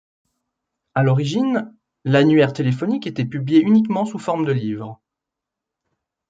À l'origine, l’annuaire téléphonique était publié uniquement sous forme de livre.